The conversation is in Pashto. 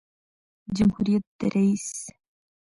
جمهوریت د رئیس